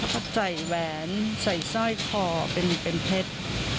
ก็ใส่แหวนใส่สร้อยคอเป็นเพชร